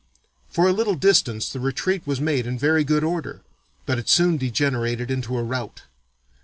"For a little distance the retreat was made in very good order, but it soon degenerated into a rout.